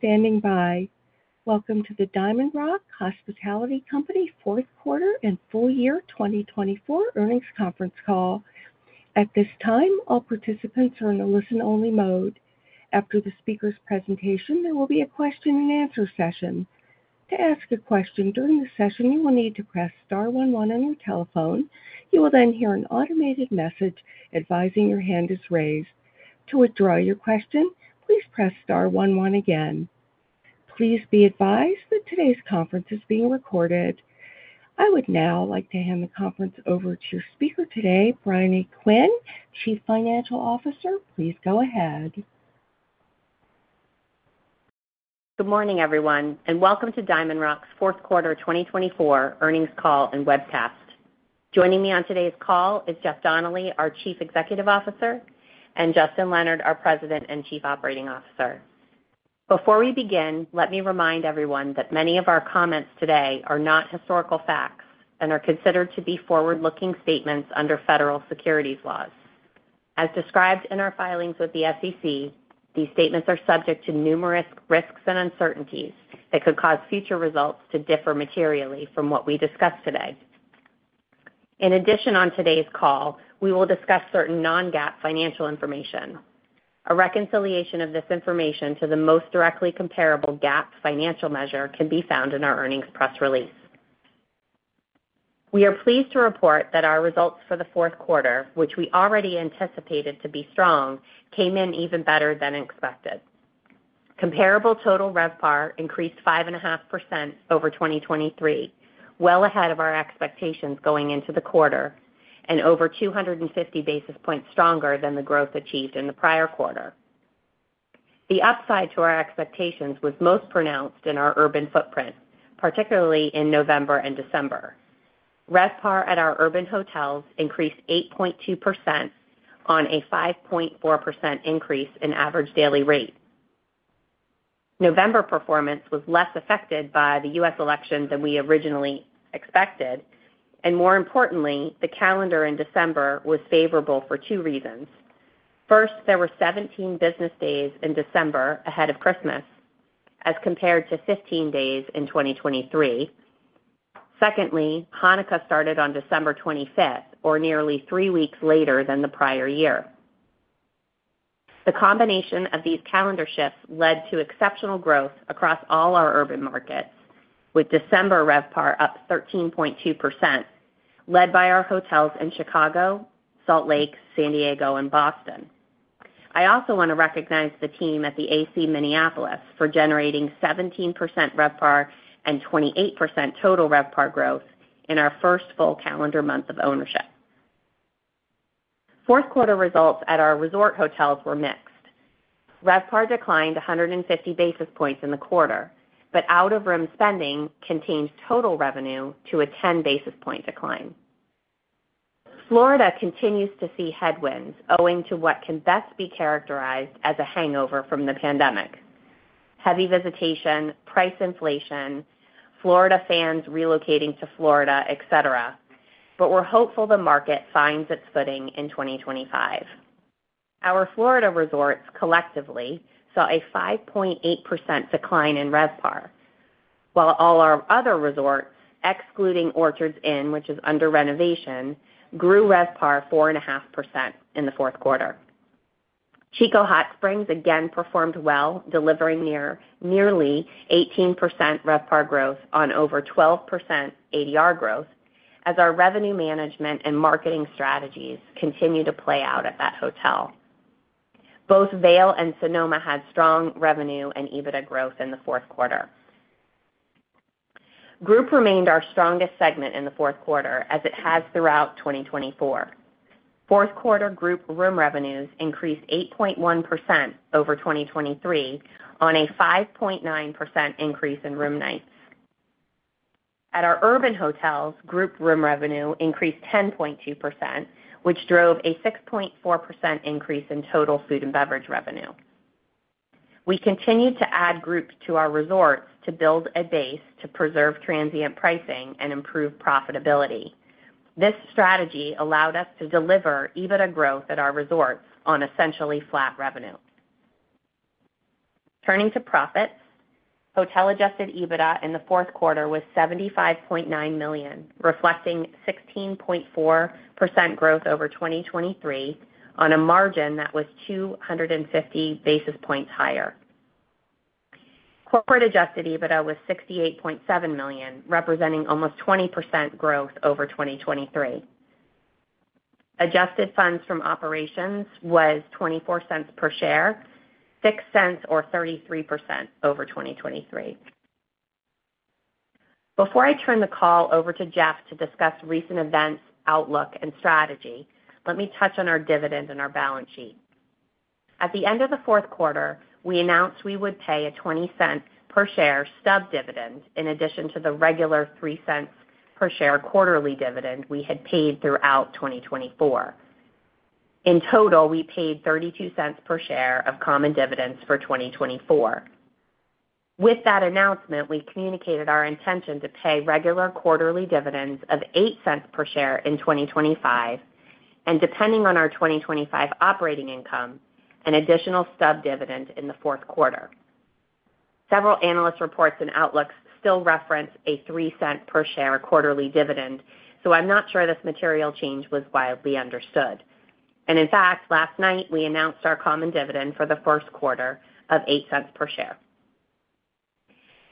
Standing by. Welcome to the DiamondRock Hospitality Company Fourth Quarter and Full Year 2024 Earnings Conference Call. At this time, all participants are in the listen-only mode. After the speaker's presentation, there will be a question-and-answer session. To ask a question during the session, you will need to press star one one on your telephone. You will then hear an automated message advising your hand is raised. To withdraw your question, please press star one one again. Please be advised that today's conference is being recorded. I would now like to hand the conference over to your speaker today, Briony Quinn, Chief Financial Officer. Please go ahead. Good morning, everyone, and welcome to DiamondRock's Fourth Quarter 2024 Earnings Call and Webcast. Joining me on today's call is Jeff Donnelly, our Chief Executive Officer, and Justin Leonard, our President and Chief Operating Officer. Before we begin, let me remind everyone that many of our comments today are not historical facts and are considered to be forward-looking statements under federal securities laws. As described in our filings with the SEC, these statements are subject to numerous risks and uncertainties that could cause future results to differ materially from what we discuss today. In addition, on today's call, we will discuss certain non-GAAP financial information. A reconciliation of this information to the most directly comparable GAAP financial measure can be found in our earnings press release. We are pleased to report that our results for the fourth quarter, which we already anticipated to be strong, came in even better than expected. Comparable total RevPAR increased 5.5% over 2023, well ahead of our expectations going into the quarter, and over 250 basis points stronger than the growth achieved in the prior quarter. The upside to our expectations was most pronounced in our urban footprint, particularly in November and December. RevPAR at our urban hotels increased 8.2% on a 5.4% increase in average daily rate. November performance was less affected by the U.S. election than we originally expected, and more importantly, the calendar in December was favorable for two reasons. First, there were 17 business days in December ahead of Christmas, as compared to 15 days in 2023. Secondly, Hanukkah started on December 25, or nearly three weeks later than the prior year. The combination of these calendar shifts led to exceptional growth across all our urban markets, with December RevPAR up 13.2%, led by our hotels in Chicago, Salt Lake, San Diego, and Boston. I also want to recognize the team at the AC Minneapolis for generating 17% RevPAR and 28% total RevPAR growth in our first full calendar month of ownership. Fourth quarter results at our resort hotels were mixed. RevPAR declined 150 basis points in the quarter, but out-of-room spending contained total revenue to a 10 basis point decline. Florida continues to see headwinds owing to what can best be characterized as a hangover from the pandemic: heavy visitation, price inflation, Florida fans relocating to Florida, et cetera, but we are hopeful the market finds its footing in 2025. Our Florida resorts collectively saw a 5.8% decline in RevPAR, while all our other resorts, excluding Orchards Inn, which is under renovation, grew RevPAR 4.5% in the fourth quarter. Chico Hot Springs again performed well, delivering nearly 18% RevPAR growth on over 12% ADR growth, as our revenue management and marketing strategies continue to play out at that hotel. Both Vail and Sonoma had strong revenue and EBITDA growth in the fourth quarter. Group remained our strongest segment in the fourth quarter, as it has throughout 2024. Fourth quarter Group Room revenues increased 8.1% over 2023, on a 5.9% increase in room nights. At our urban hotels, Group Room revenue increased 10.2%, which drove a 6.4% increase in total food and beverage revenue. We continued to add Group to our resorts to build a base to preserve transient pricing and improve profitability. This strategy allowed us to deliver EBITDA growth at our resorts on essentially flat revenue. Turning to profits, hotel-adjusted EBITDA in the fourth quarter was $75.9 million, reflecting 16.4% growth over 2023, on a margin that was 250 basis points higher. Corporate-adjusted EBITDA was $68.7 million, representing almost 20% growth over 2023. Adjusted funds from operations was $0.24 per share, $0.06, or 33% over 2023. Before I turn the call over to Jeff to discuss recent events, outlook, and strategy, let me touch on our dividend and our balance sheet. At the end of the fourth quarter, we announced we would pay a $0.20 per share subdividend in addition to the regular $0.03 per share quarterly dividend we had paid throughout 2024. In total, we paid $0.32 per share of common dividends for 2024. With that announcement, we communicated our intention to pay regular quarterly dividends of $0.08 per share in 2025, and depending on our 2025 operating income, an additional subdividend in the fourth quarter. Several analyst reports and outlooks still reference a $0.03 per share quarterly dividend, so I'm not sure this material change was widely understood. In fact, last night, we announced our common dividend for the first quarter of $0.08 per share.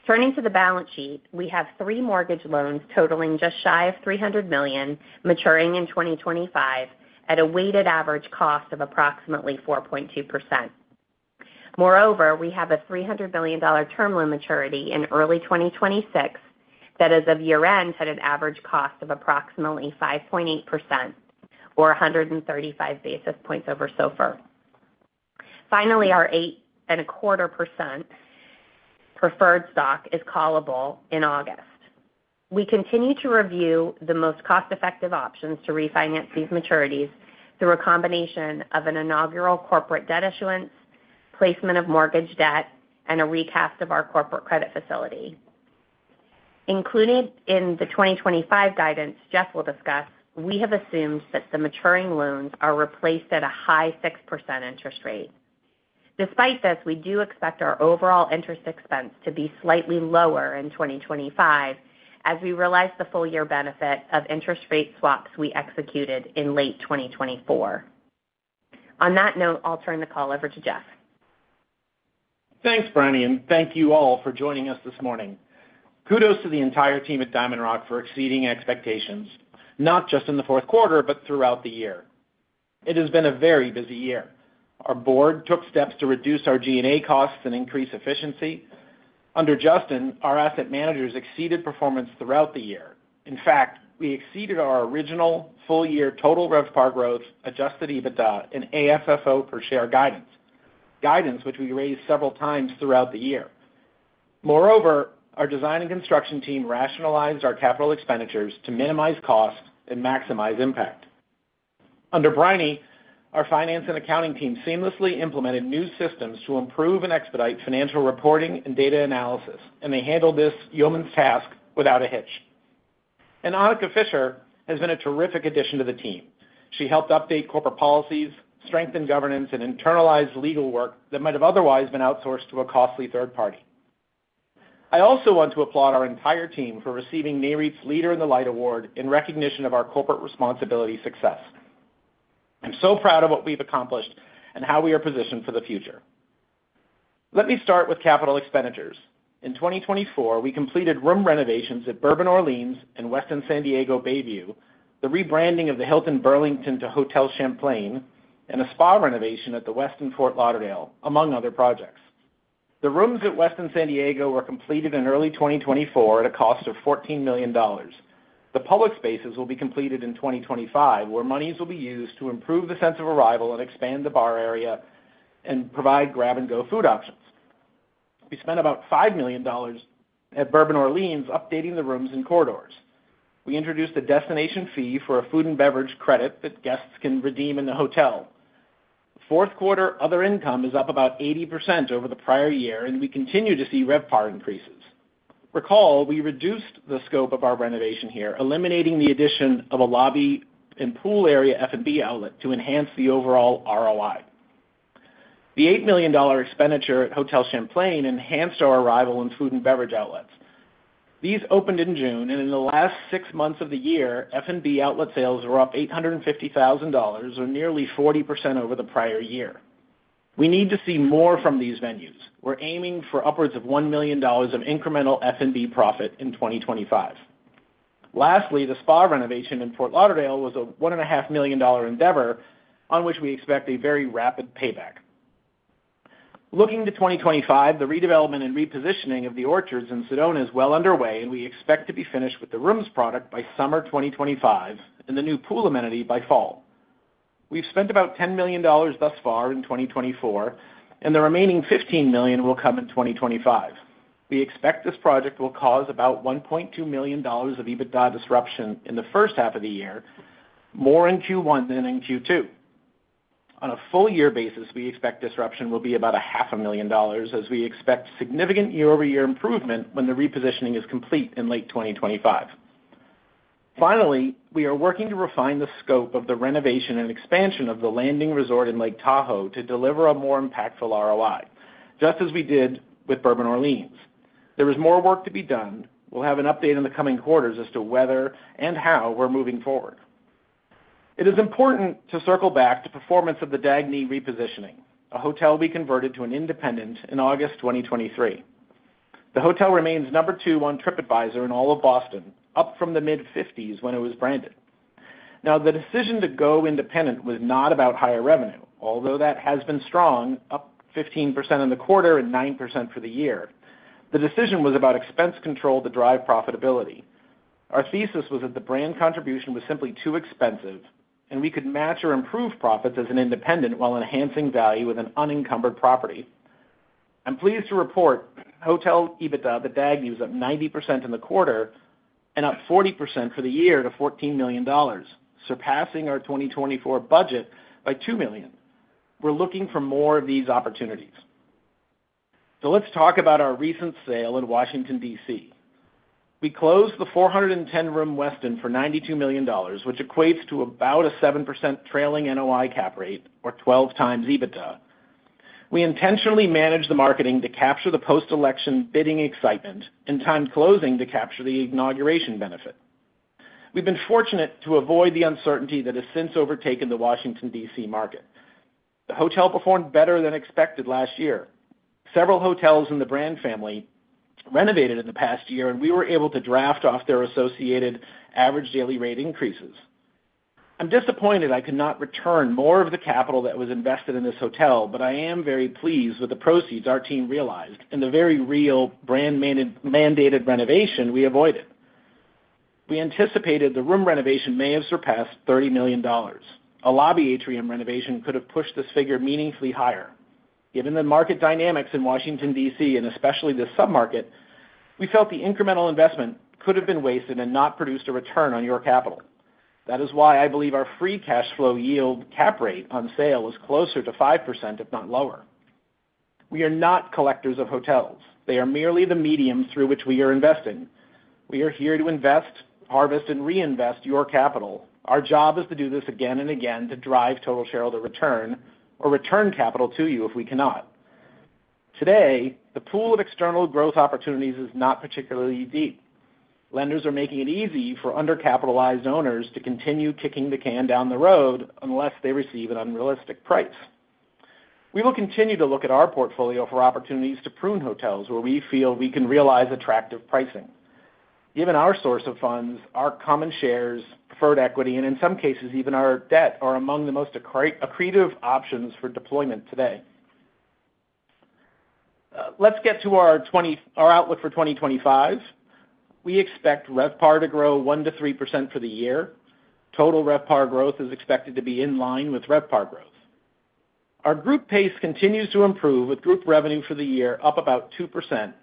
Turning to the balance sheet, we have three mortgage loans totaling just shy of $300 million, maturing in 2025 at a weighted average cost of approximately 4.2%. Moreover, we have a $300 million term loan maturity in early 2026 that, as of year-end, had an average cost of approximately 5.8%, or 135 basis points over SOFR. Finally, our 8.25% preferred stock is callable in August. We continue to review the most cost-effective options to refinance these maturities through a combination of an inaugural corporate debt issuance, placement of mortgage debt, and a recast of our corporate credit facility. Included in the 2025 guidance Jeff will discuss, we have assumed that the maturing loans are replaced at a high 6% interest rate. Despite this, we do expect our overall interest expense to be slightly lower in 2025, as we realize the full-year benefit of interest rate swaps we executed in late 2024. On that note, I'll turn the call over to Jeff. Thanks, Briony, and thank you all for joining us this morning. Kudos to the entire team at DiamondRock for exceeding expectations, not just in the fourth quarter, but throughout the year. It has been a very busy year. Our board took steps to reduce our G&A costs and increase efficiency. Under Justin, our asset managers exceeded performance throughout the year. In fact, we exceeded our original full-year total RevPAR growth, adjusted EBITDA, and AFFO per share guidance, guidance which we raised several times throughout the year. Moreover, our design and construction team rationalized our capital expenditures to minimize costs and maximize impact. Under Briony, our finance and accounting team seamlessly implemented new systems to improve and expedite financial reporting and data analysis, and they handled this yeoman's task without a hitch. Anika Fischer has been a terrific addition to the team. She helped update corporate policies, strengthen governance, and internalize legal work that might have otherwise been outsourced to a costly third party. I also want to applaud our entire team for receiving Nareit's Leader in the Light Award in recognition of our corporate responsibility success. I'm so proud of what we've accomplished and how we are positioned for the future. Let me start with capital expenditures. In 2024, we completed room renovations at Bourbon Orleans and Westin San Diego Bayview, the rebranding of the Hilton Burlington to Hotel Champlain, and a spa renovation at the Westin Fort Lauderdale, among other projects. The rooms at Westin San Diego were completed in early 2024 at a cost of $14 million. The public spaces will be completed in 2025, where money will be used to improve the sense of arrival and expand the bar area and provide grab-and-go food options. We spent about $5 million at Bourbon Orleans updating the rooms and corridors. We introduced a destination fee for a food and beverage credit that guests can redeem in the hotel. Fourth quarter other income is up about 80% over the prior year, and we continue to see RevPAR increases. Recall, we reduced the scope of our renovation here, eliminating the addition of a lobby and pool area F&B outlet to enhance the overall ROI. The $8 million expenditure at Hotel Champlain enhanced our arrival and food and beverage outlets. These opened in June, and in the last six months of the year, F&B outlet sales were up $850,000, or nearly 40% over the prior year. We need to see more from these venues. We're aiming for upwards of $1 million of incremental F&B profit in 2025. Lastly, the spa renovation in Fort Lauderdale was a $1.5 million endeavor on which we expect a very rapid payback. Looking to 2025, the redevelopment and repositioning of the Orchards Inn and Sedona is well underway, and we expect to be finished with the rooms product by summer 2025 and the new pool amenity by fall. We've spent about $10 million thus far in 2024, and the remaining $15 million will come in 2025. We expect this project will cause about $1.2 million of EBITDA disruption in the first half of the year, more in Q1 than in Q2. On a full-year basis, we expect disruption will be about $500,000, as we expect significant year-over-year improvement when the repositioning is complete in late 2025. Finally, we are working to refine the scope of the renovation and expansion of The Landing Resort in Lake Tahoe to deliver a more impactful ROI, just as we did with Bourbon Orleans. There is more work to be done. We'll have an update in the coming quarters as to whether and how we're moving forward. It is important to circle back to performance of The Dagny repositioning, a hotel we converted to an independent in August 2023. The hotel remains number two on Tripadvisor in all of Boston, up from the mid-50s when it was branded. Now, the decision to go independent was not about higher revenue, although that has been strong, up 15% in the quarter and 9% for the year. The decision was about expense control to drive profitability. Our thesis was that the brand contribution was simply too expensive, and we could match or improve profits as an independent while enhancing value with an unencumbered property. I'm pleased to report hotel EBITDA of The Dagny was up 90% in the quarter and up 40% for the year to $14 million, surpassing our 2024 budget by $2 million. We're looking for more of these opportunities. Let's talk about our recent sale in Washington, D.C. We closed the 410-room Westin for $92 million, which equates to about a 7% trailing NOI cap rate, or 12 times EBITDA. We intentionally managed the marketing to capture the post-election bidding excitement and timed closing to capture the inauguration benefit. We've been fortunate to avoid the uncertainty that has since overtaken the Washington, D.C. market. The hotel performed better than expected last year. Several hotels in the brand family renovated in the past year, and we were able to draft off their associated average daily rate increases. I'm disappointed I could not return more of the capital that was invested in this hotel, but I am very pleased with the proceeds our team realized and the very real brand-mandated renovation we avoided. We anticipated the room renovation may have surpassed $30 million. A lobby atrium renovation could have pushed this figure meaningfully higher. Given the market dynamics in Washington, D.C., and especially the submarket, we felt the incremental investment could have been wasted and not produced a return on your capital. That is why I believe our free cash flow yield cap rate on sale is closer to 5%, if not lower. We are not collectors of hotels. They are merely the medium through which we are investing. We are here to invest, harvest, and reinvest your capital. Our job is to do this again and again to drive total shareholder return or return capital to you if we cannot. Today, the pool of external growth opportunities is not particularly deep. Lenders are making it easy for undercapitalized owners to continue kicking the can down the road unless they receive an unrealistic price. We will continue to look at our portfolio for opportunities to prune hotels where we feel we can realize attractive pricing. Given our source of funds, our common shares, preferred equity, and in some cases, even our debt are among the most accretive options for deployment today. Let's get to our outlook for 2025. We expect RevPAR to grow 1%-3% for the year. Total RevPAR growth is expected to be in line with RevPAR growth. Our group pace continues to improve with group revenue for the year up about 2%,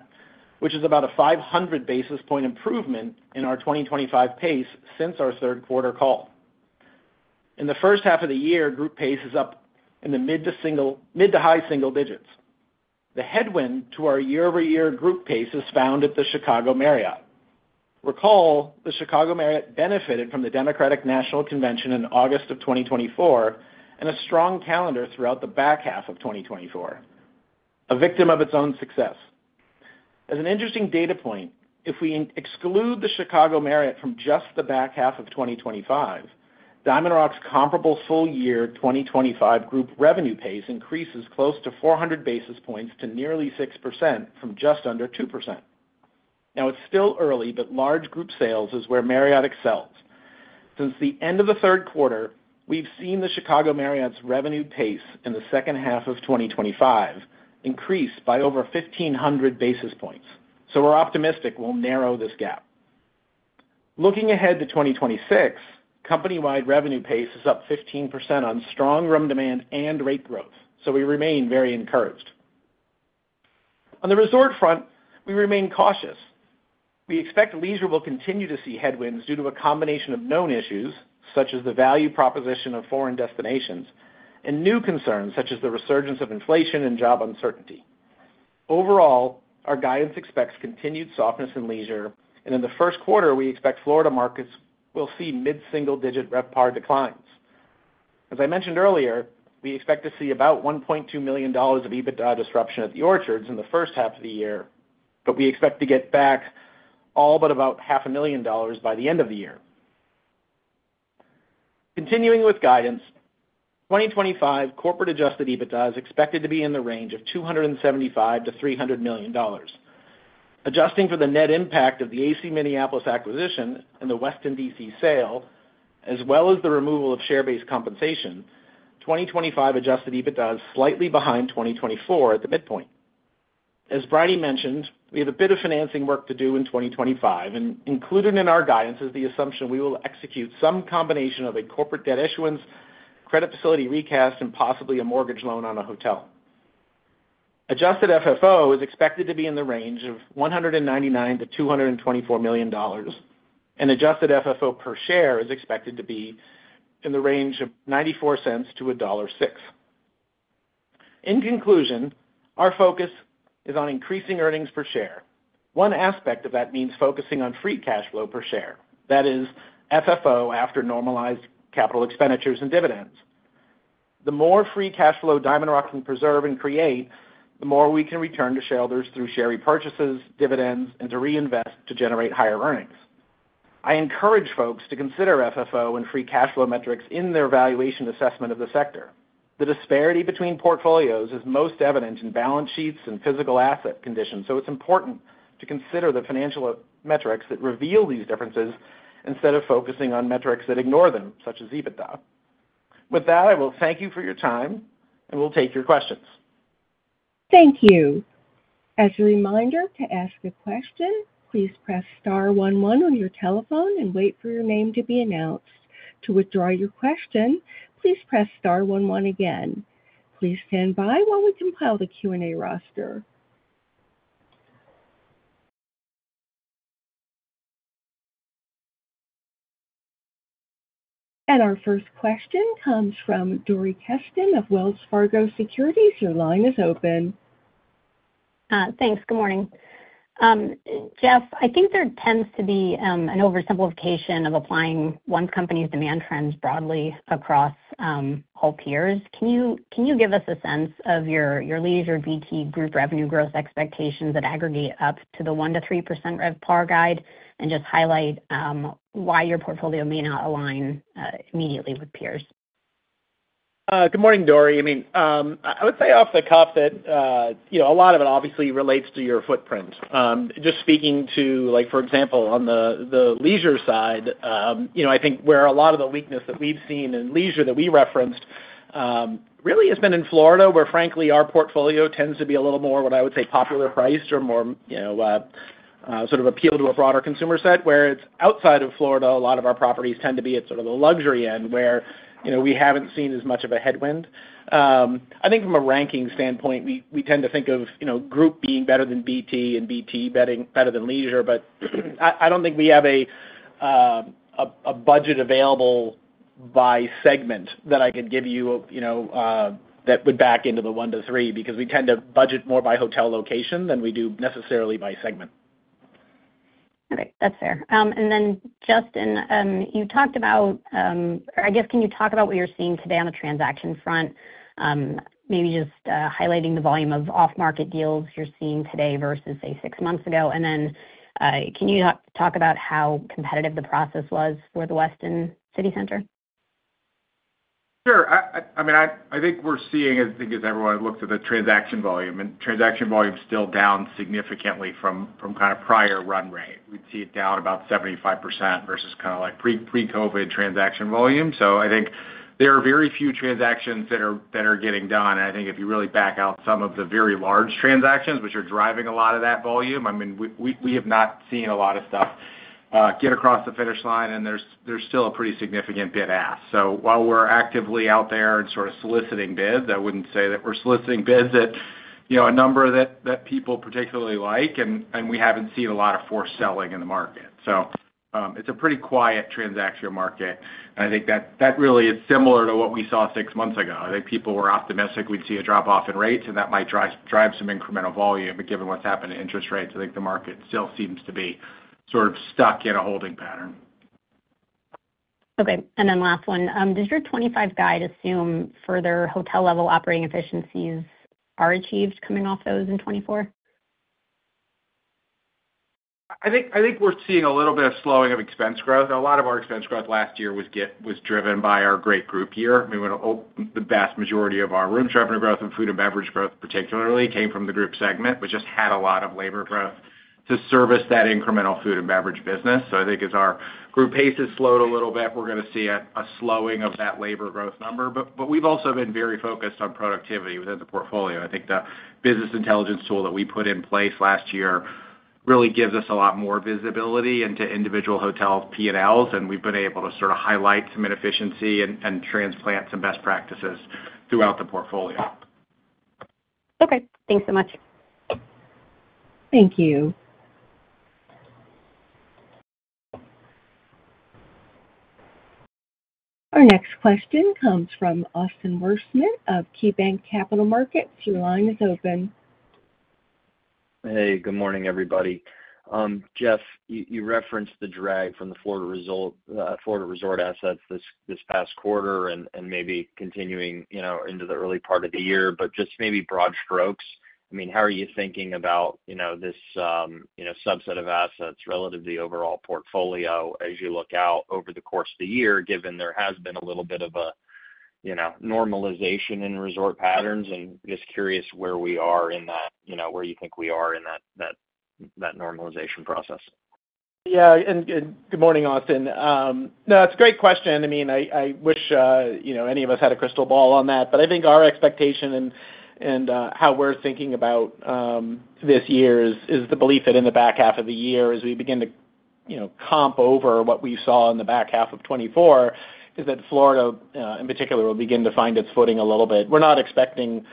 which is about a 500 basis point improvement in our 2025 pace since our third quarter call. In the first half of the year, group pace is up in the mid to high single digits. The headwind to our year-over-year group pace is found at the Chicago Marriott. Recall, the Chicago Marriott benefited from the Democratic National Convention in August of 2024 and a strong calendar throughout the back half of 2024, a victim of its own success. As an interesting data point, if we exclude the Chicago Marriott from just the back half of 2025, DiamondRock's comparable full-year 2025 group revenue pace increases close to 400 basis points to nearly 6% from just under 2%. Now, it's still early, but large group sales is where Marriott excels. Since the end of the third quarter, we've seen the Chicago Marriott's revenue pace in the second half of 2025 increase by over 1,500 basis points, so we're optimistic we'll narrow this gap. Looking ahead to 2026, company-wide revenue pace is up 15% on strong room demand and rate growth, so we remain very encouraged. On the resort front, we remain cautious. We expect leisure will continue to see headwinds due to a combination of known issues such as the value proposition of foreign destinations and new concerns such as the resurgence of inflation and job uncertainty. Overall, our guidance expects continued softness in leisure, and in the first quarter, we expect Florida markets will see mid-single-digit RevPAR declines. As I mentioned earlier, we expect to see about $1.2 million of EBITDA disruption at the Orchards Inn in the first half of the year, but we expect to get back all but about $500,000 by the end of the year. Continuing with guidance, 2025 corporate-adjusted EBITDA is expected to be in the range of $275-$300 million. Adjusting for the net impact of the AC Minneapolis acquisition and the Westin D.C. sale, as well as the removal of share-based compensation, 2025 adjusted EBITDA is slightly behind 2024 at the midpoint. As Briony mentioned, we have a bit of financing work to do in 2025, and included in our guidance is the assumption we will execute some combination of a corporate debt issuance, credit facility recast, and possibly a mortgage loan on a hotel. Adjusted FFO is expected to be in the range of $199-$224 million, and adjusted FFO per share is expected to be in the range of $0.94-$1.06. In conclusion, our focus is on increasing earnings per share. One aspect of that means focusing on free cash flow per share, that is, FFO after normalized capital expenditures and dividends. The more free cash flow DiamondRock can preserve and create, the more we can return to shareholders through share repurchases, dividends, and to reinvest to generate higher earnings. I encourage folks to consider FFO and free cash flow metrics in their valuation assessment of the sector. The disparity between portfolios is most evident in balance sheets and physical asset conditions, so it is important to consider the financial metrics that reveal these differences instead of focusing on metrics that ignore them, such as EBITDA. With that, I will thank you for your time, and we'll take your questions. Thank you. As a reminder to ask a question, please press star one one on your telephone and wait for your name to be announced. To withdraw your question, please press star one one again. Please stand by while we compile the Q&A roster. Our first question comes from Dori Keston of Wells Fargo Securities. Your line is open. Thanks. Good morning. Jeff, I think there tends to be an oversimplification of applying one company's demand trends broadly across all peers. Can you give us a sense of your leisure VT group revenue growth expectations that aggregate up to the 1%-3% RevPAR guide and just highlight why your portfolio may not align immediately with peers? Good morning, Dory. I mean, I would say off the cuff that a lot of it obviously relates to your footprint. Just speaking to, for example, on the leisure side, I think where a lot of the weakness that we've seen in leisure that we referenced really has been in Florida, where, frankly, our portfolio tends to be a little more what I would say popular priced or more sort of appeal to a broader consumer set, where it's outside of Florida, a lot of our properties tend to be at sort of the luxury end, where we haven't seen as much of a headwind. I think from a ranking standpoint, we tend to think of group being better than VT and VT better than leisure, but I do not think we have a budget available by segment that I could give you that would back into the 1%-3% because we tend to budget more by hotel location than we do necessarily by segment. All right. That's fair. Justin, you talked about, or I guess, can you talk about what you're seeing today on the transaction front, maybe just highlighting the volume of off-market deals you're seeing today versus, say, six months ago? Can you talk about how competitive the process was for the Westin City Center? Sure. I mean, I think we're seeing, I think as everyone looks at the transaction volume, and transaction volume's still down significantly from kind of prior run rate. We'd see it down about 75% versus kind of like pre-COVID transaction volume. I think there are very few transactions that are getting done. I think if you really back out some of the very large transactions, which are driving a lot of that volume, I mean, we have not seen a lot of stuff get across the finish line, and there's still a pretty significant bid ask. While we're actively out there and sort of soliciting bids, I wouldn't say that we're soliciting bids at a number that people particularly like, and we haven't seen a lot of forced selling in the market. It is a pretty quiet transaction market, and I think that really is similar to what we saw six months ago. I think people were optimistic we'd see a drop-off in rates, and that might drive some incremental volume, but given what's happened to interest rates, I think the market still seems to be sort of stuck in a holding pattern. Okay. Last one. Does your 2025 guide assume further hotel-level operating efficiencies are achieved coming off those in 2024? I think we're seeing a little bit of slowing of expense growth. A lot of our expense growth last year was driven by our great group year. I mean, the vast majority of our room shopping growth and food and beverage growth particularly came from the group segment, just had a lot of labor growth to service that incremental food and beverage business. I think as our group pace has slowed a little bit, we're going to see a slowing of that labor growth number. We've also been very focused on productivity within the portfolio. I think the business intelligence tool that we put in place last year really gives us a lot more visibility into individual hotel P&Ls, and we've been able to sort of highlight some inefficiency and transplant some best practices throughout the portfolio. Okay. Thanks so much. Thank you. Our next question comes from Austin Wurschmidt of KeyBanc Capital Markets. Your line is open. Hey, good morning, everybody. Jeff, you referenced the drag from the Florida resort assets this past quarter and maybe continuing into the early part of the year, but just maybe broad strokes. I mean, how are you thinking about this subset of assets relative to the overall portfolio as you look out over the course of the year, given there has been a little bit of a normalization in resort patterns? I mean, just curious where we are in that, where you think we are in that normalization process. Yeah. Good morning, Austin. No, it's a great question. I mean, I wish any of us had a crystal ball on that, but I think our expectation and how we're thinking about this year is the belief that in the back half of the year, as we begin to comp over what we saw in the back half of 2024, is that Florida, in particular, will begin to find its footing a little bit. We're not expecting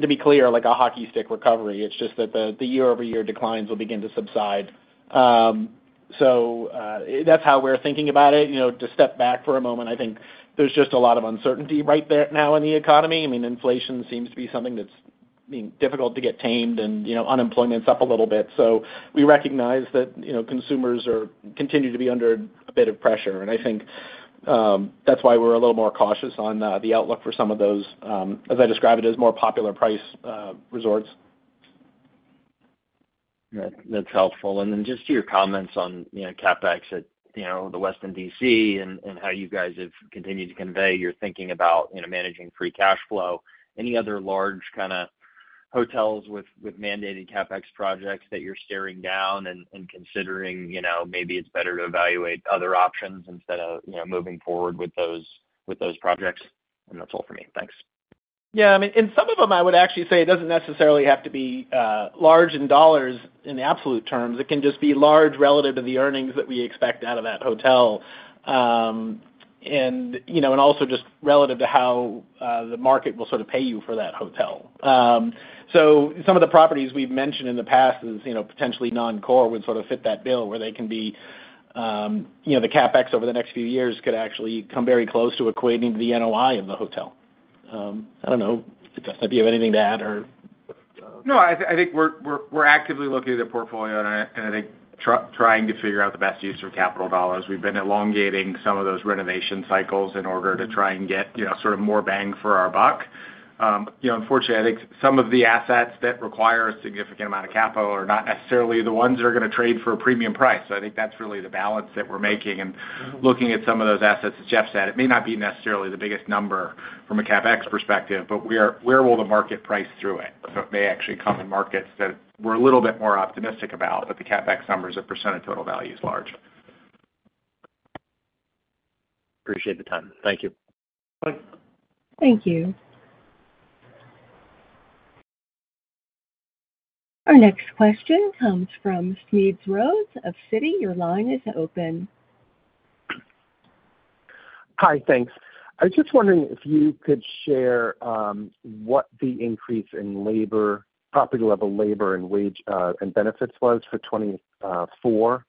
to be clear like a hockey stick recovery. It's just that the year-over-year declines will begin to subside. That's how we're thinking about it. To step back for a moment, I think there's just a lot of uncertainty right now in the economy. I mean, inflation seems to be something that's being difficult to get tamed, and unemployment's up a little bit. We recognize that consumers continue to be under a bit of pressure, and I think that's why we're a little more cautious on the outlook for some of those, as I describe it, as more popular price resorts. That's helpful. Just to your comments on CapEx at the Westin D.C. and how you guys have continued to convey your thinking about managing free cash flow, any other large kind of hotels with mandated CapEx projects that you're staring down and considering maybe it's better to evaluate other options instead of moving forward with those projects? That's all for me. Thanks. Yeah. I mean, in some of them, I would actually say it does not necessarily have to be large in dollars in absolute terms. It can just be large relative to the earnings that we expect out of that hotel and also just relative to how the market will sort of pay you for that hotel. Some of the properties we have mentioned in the past as potentially non-core would sort of fit that bill where the CapEx over the next few years could actually come very close to equating to the NOI of the hotel. I do not know. Justin, if you have anything to add or. No, I think we're actively looking at the portfolio, and I think trying to figure out the best use of capital dollars. We've been elongating some of those renovation cycles in order to try and get sort of more bang for our buck. Unfortunately, I think some of the assets that require a significant amount of capital are not necessarily the ones that are going to trade for a premium price. I think that's really the balance that we're making. Looking at some of those assets, as Jeff said, it may not be necessarily the biggest number from a CapEx perspective, but we're able to market price through it. It may actually come in markets that we're a little bit more optimistic about, but the CapEx numbers as a percent of total value is large. Appreciate the time. Thank you. Thanks. Thank you. Our next question comes from Smedes Rose of Citi. Your line is open. Hi, thanks. I was just wondering if you could share what the increase in property-level labor and wage and benefits was for 2024,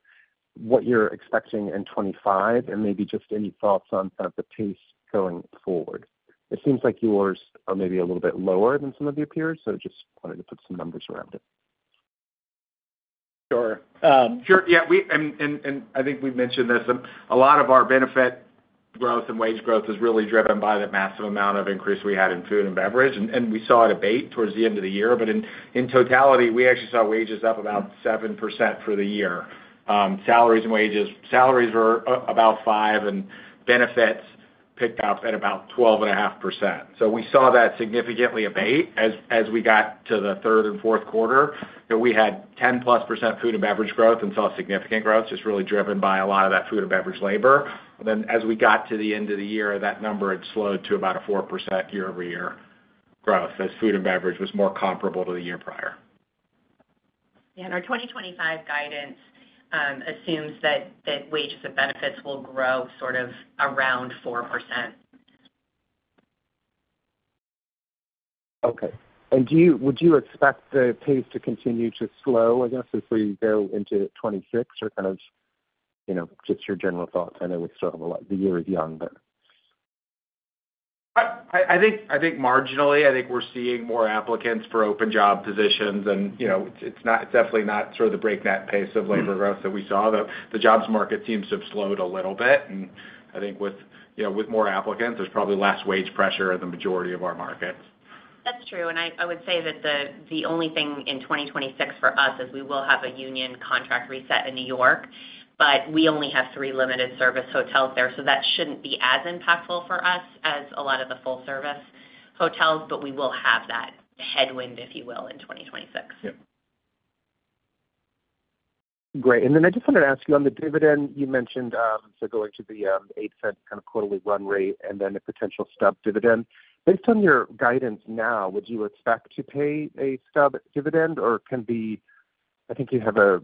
what you're expecting in 2025, and maybe just any thoughts on kind of the pace going forward. It seems like yours are maybe a little bit lower than some of your peers, so just wanted to put some numbers around it. Sure. Yeah. I think we've mentioned this. A lot of our benefit growth and wage growth is really driven by the massive amount of increase we had in food and beverage, and we saw it abate towards the end of the year. In totality, we actually saw wages up about 7% for the year. Salaries and wages, salaries were about 5%, and benefits picked up at about 12.5%. We saw that significantly abate as we got to the third and fourth quarter. We had 10-plus percent food and beverage growth and saw significant growth, just really driven by a lot of that food and beverage labor. As we got to the end of the year, that number had slowed to about a 4% year-over-year growth as food and beverage was more comparable to the year prior. Yeah. Our 2025 guidance assumes that wages and benefits will grow sort of around 4%. Okay. Would you expect the pace to continue to slow, I guess, as we go into 2026, or kind of just your general thoughts? I know we still have a lot, the year is young, but. I think marginally. I think we're seeing more applicants for open job positions, and it's definitely not sort of the breakneck pace of labor growth that we saw. The jobs market seems to have slowed a little bit, and I think with more applicants, there's probably less wage pressure in the majority of our markets. That's true. I would say that the only thing in 2026 for us is we will have a union contract reset in New York, but we only have three limited service hotels there, so that shouldn't be as impactful for us as a lot of the full-service hotels. We will have that headwind, if you will, in 2026. Yep. Great. I just wanted to ask you on the dividend. You mentioned going to the $0.08 kind of quarterly run rate and then a potential stub dividend. Based on your guidance now, would you expect to pay a stub dividend, or can be I think you have a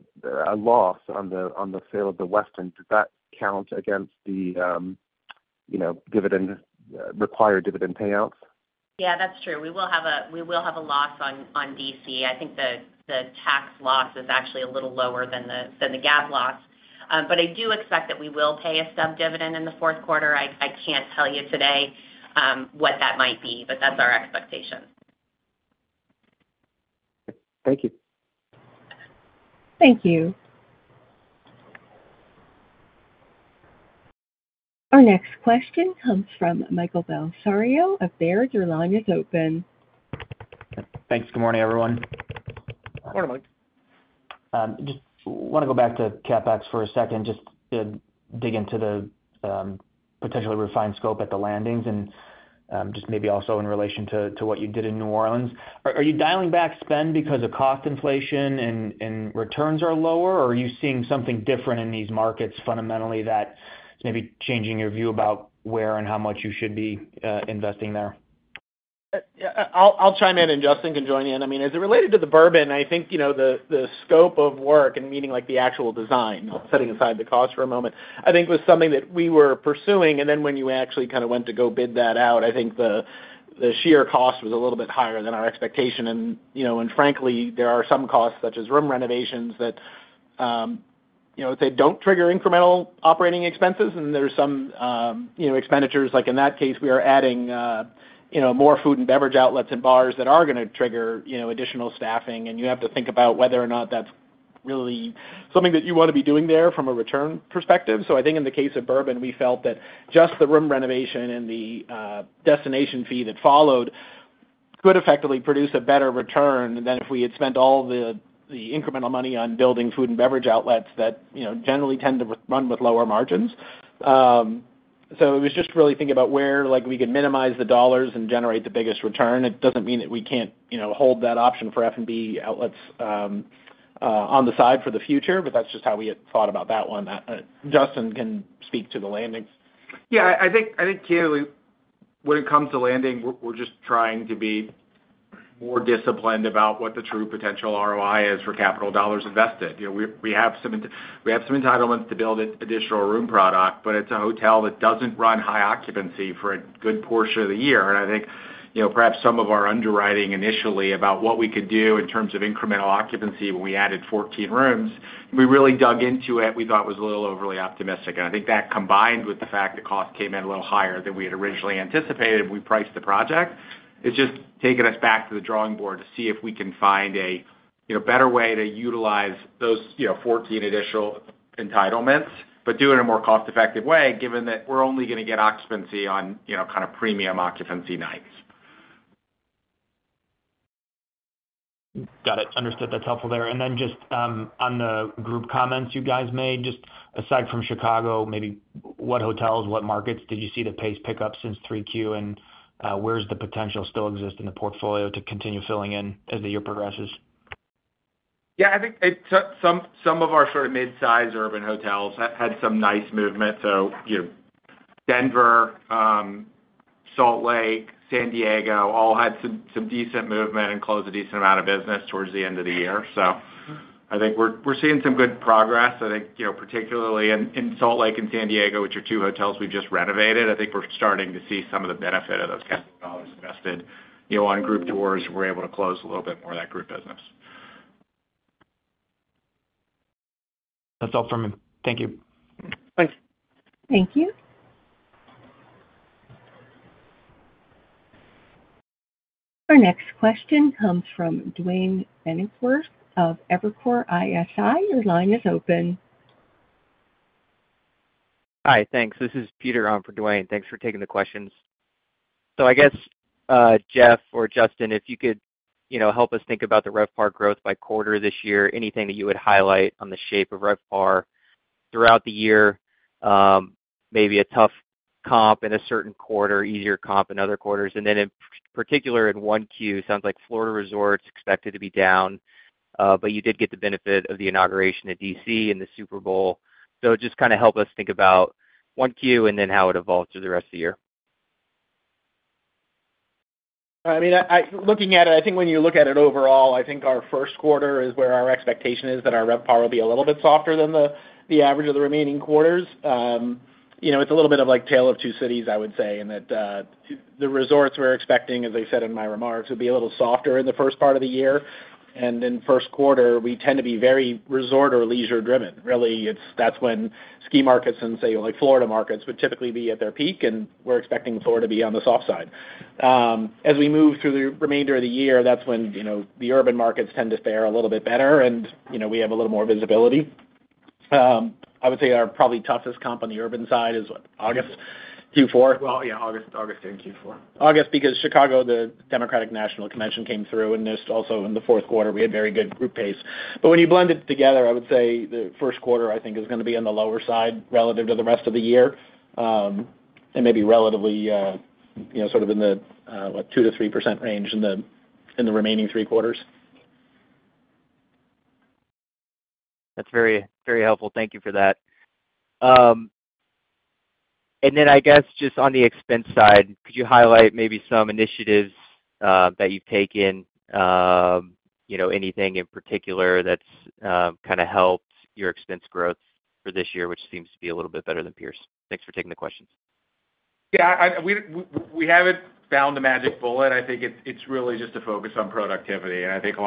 loss on the sale of the Westin. Does that count against the required dividend payouts? Yeah, that's true. We will have a loss on D.C. I think the tax loss is actually a little lower than the GAAP loss. I do expect that we will pay a stub dividend in the fourth quarter. I can't tell you today what that might be, but that's our expectation. Thank you. Thank you. Our next question comes from Michael Bellisario of Baird. Your line is open. Thanks. Good morning, everyone. Morning, Mike. Just want to go back to CapEx for a second, just to dig into the potentially refined scope at The Landing and just maybe also in relation to what you did in New Orleans. Are you dialing back spend because of cost inflation and returns are lower, or are you seeing something different in these markets fundamentally that's maybe changing your view about where and how much you should be investing there? I'll chime in, and Justin can join in. I mean, as it related to the Bourbon, I think the scope of work and meaning the actual design, setting aside the cost for a moment, I think was something that we were pursuing. When you actually kind of went to go bid that out, I think the sheer cost was a little bit higher than our expectation. Frankly, there are some costs such as room renovations that, I would say, do not trigger incremental operating expenses, and there are some expenditures. Like in that case, we are adding more food and beverage outlets and bars that are going to trigger additional staffing, and you have to think about whether or not that's really something that you want to be doing there from a return perspective. I think in the case of Bourbon, we felt that just the room renovation and the destination fee that followed could effectively produce a better return than if we had spent all the incremental money on building food and beverage outlets that generally tend to run with lower margins. It was just really thinking about where we could minimize the dollars and generate the biggest return. It does not mean that we cannot hold that option for F&B outlets on the side for the future, but that is just how we had thought about that one. Justin can speak to The Landing's. Yeah. I think, generally, when it comes to The Landing, we're just trying to be more disciplined about what the true potential ROI is for capital dollars invested. We have some entitlements to build additional room product, but it's a hotel that doesn't run high occupancy for a good portion of the year. I think perhaps some of our underwriting initially about what we could do in terms of incremental occupancy when we added 14 rooms, we really dug into it. We thought it was a little overly optimistic. I think that combined with the fact that cost came in a little higher than we had originally anticipated when we priced the project, it's just taken us back to the drawing board to see if we can find a better way to utilize those 14 additional entitlements, but do it in a more cost-effective way, given that we're only going to get occupancy on kind of premium occupancy nights. Got it. Understood. That's helpful there. Just on the group comments you guys made, just aside from Chicago, maybe what hotels, what markets did you see the pace pick up since 3Q, and where does the potential still exist in the portfolio to continue filling in as the year progresses? Yeah. I think some of our sort of mid-size urban hotels had some nice movement. Denver, Salt Lake, San Diego all had some decent movement and closed a decent amount of business towards the end of the year. I think we're seeing some good progress. I think particularly in Salt Lake and San Diego, which are two hotels we've just renovated, I think we're starting to see some of the benefit of those capital dollars invested on group tours. We're able to close a little bit more of that group business. That's all from me. Thank you. Thanks. Thank you. Our next question comes from Duane Pfennigwerth of Evercore ISI. Your line is open. Hi. Thanks. This is Peter on for Duane. Thanks for taking the questions. I guess, Jeff or Justin, if you could help us think about the RevPAR growth by quarter this year, anything that you would highlight on the shape of RevPAR throughout the year, maybe a tough comp in a certain quarter, easier comp in other quarters. In particular, in 1Q, it sounds like Florida Resorts expected to be down, but you did get the benefit of the inauguration at DC and the Super Bowl. Just kind of help us think about 1Q and then how it evolves through the rest of the year. I mean, looking at it, I think when you look at it overall, I think our first quarter is where our expectation is that our RevPAR will be a little bit softer than the average of the remaining quarters. It's a little bit of like Tale of Two Cities, I would say, in that the resorts we're expecting, as I said in my remarks, would be a little softer in the first part of the year. In first quarter, we tend to be very resort or leisure-driven. Really, that's when ski markets and, say, Florida markets would typically be at their peak, and we're expecting Florida to be on the soft side. As we move through the remainder of the year, that's when the urban markets tend to fare a little bit better, and we have a little more visibility. I would say our probably toughest comp on the urban side is August Q4. Yeah, August and Q4. August because Chicago, the Democratic National Convention came through, and also in the fourth quarter, we had very good group pace. When you blend it together, I would say the first quarter, I think, is going to be on the lower side relative to the rest of the year and maybe relatively sort of in the 2%-3% range in the remaining three quarters. That's very helpful. Thank you for that. I guess just on the expense side, could you highlight maybe some initiatives that you've taken, anything in particular that's kind of helped your expense growth for this year, which seems to be a little bit better than peers? Thanks for taking the questions. Yeah. We haven't found a magic bullet. I think it's really just to focus on productivity. I think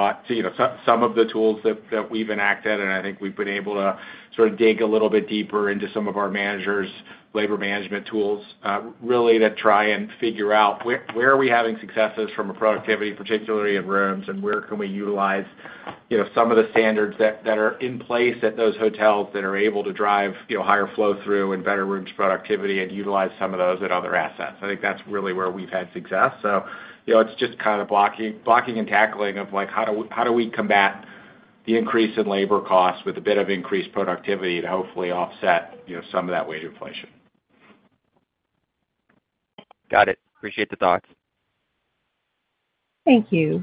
some of the tools that we've enacted, and I think we've been able to sort of dig a little bit deeper into some of our managers' labor management tools, really to try and figure out where are we having successes from a productivity, particularly in rooms, and where can we utilize some of the standards that are in place at those hotels that are able to drive higher flow-through and better rooms productivity and utilize some of those at other assets. I think that's really where we've had success. It's just kind of blocking and tackling of how do we combat the increase in labor costs with a bit of increased productivity to hopefully offset some of that wage inflation. Got it. Appreciate the thoughts. Thank you.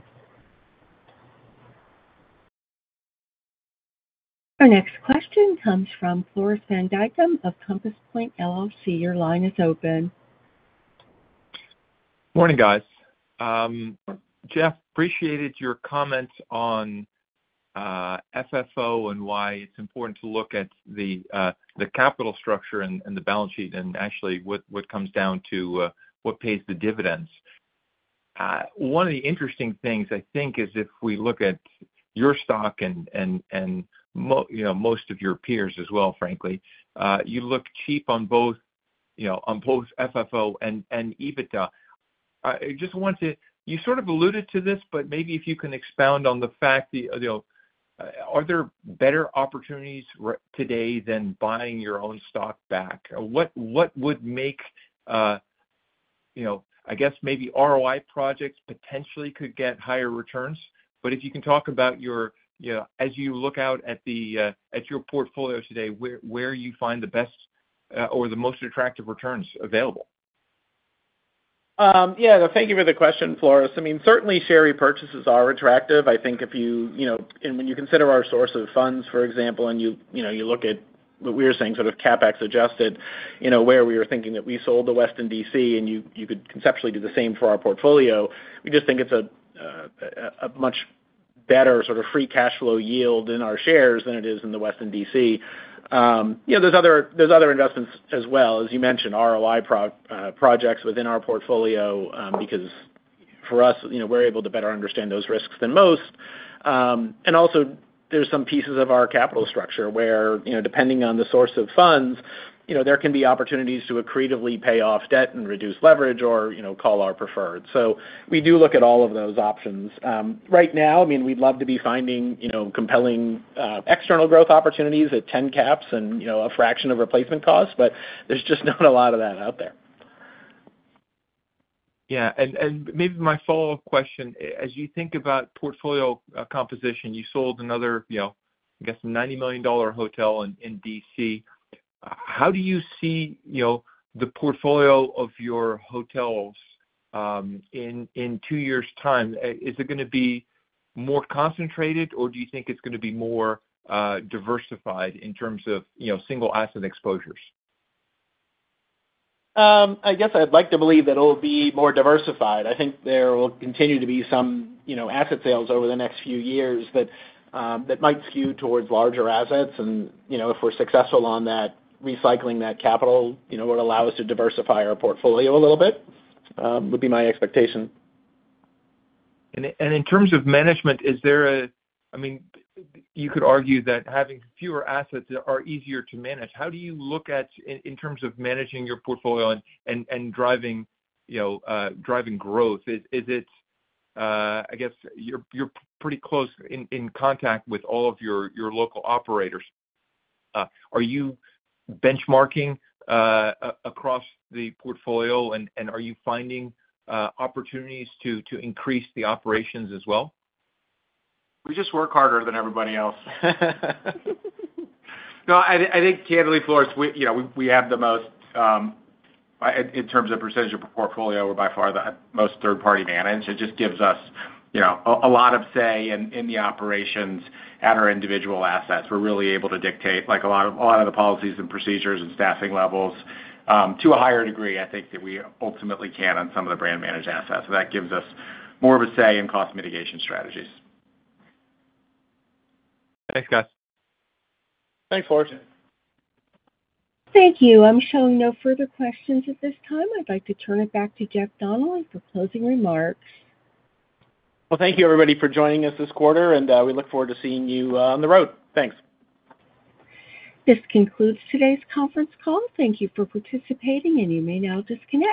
Our next question comes from Floris van Dijkum of Compass Point LLC. Your line is open. Morning, guys. Jeff, appreciated your comments on FFO and why it's important to look at the capital structure and the balance sheet and actually what comes down to what pays the dividends. One of the interesting things, I think, is if we look at your stock and most of your peers as well, frankly, you look cheap on both FFO and EBITDA. I just want to—you sort of alluded to this, but maybe if you can expound on the fact that are there better opportunities today than buying your own stock back? What would make, I guess, maybe ROI projects potentially could get higher returns? If you can talk about your—as you look out at your portfolio today, where you find the best or the most attractive returns available? Yeah. Thank you for the question, Floris. I mean, certainly, share repurchases are attractive. I think if you—and when you consider our source of funds, for example, and you look at what we were saying, sort of CapEx adjusted, where we were thinking that we sold the Westin D.C., and you could conceptually do the same for our portfolio, we just think it's a much better sort of free cash flow yield in our shares than it is in the Westin D.C. There are other investments as well, as you mentioned, ROI projects within our portfolio because for us, we're able to better understand those risks than most. Also, there are some pieces of our capital structure where, depending on the source of funds, there can be opportunities to accretively pay off debt and reduce leverage or call our preferred. We do look at all of those options. Right now, I mean, we'd love to be finding compelling external growth opportunities at 10% caps and a fraction of replacement costs, but there's just not a lot of that out there. Yeah. Maybe my follow-up question, as you think about portfolio composition, you sold another, I guess, $90 million hotel in D.C. How do you see the portfolio of your hotels in two years' time? Is it going to be more concentrated, or do you think it's going to be more diversified in terms of single asset exposures? I guess I'd like to believe that it'll be more diversified. I think there will continue to be some asset sales over the next few years that might skew towards larger assets. If we're successful on that, recycling that capital would allow us to diversify our portfolio a little bit would be my expectation. In terms of management, is there a—I mean, you could argue that having fewer assets are easier to manage. How do you look at, in terms of managing your portfolio and driving growth? I guess you're pretty close in contact with all of your local operators. Are you benchmarking across the portfolio, and are you finding opportunities to increase the operations as well? We just work harder than everybody else. No, I think, candidly, Floris, we have the most in terms of precision of portfolio. We're by far the most third-party managed. It just gives us a lot of say in the operations at our individual assets. We're really able to dictate a lot of the policies and procedures and staffing levels to a higher degree. I think that we ultimately can on some of the brand-managed assets. That gives us more of a say in cost mitigation strategies. Thanks, guys. Thanks, Floris. Thank you. I'm showing no further questions at this time. I'd like to turn it back to Jeff Donnelly for closing remarks. Thank you, everybody, for joining us this quarter, and we look forward to seeing you on the road. Thanks. This concludes today's conference call. Thank you for participating, and you may now disconnect.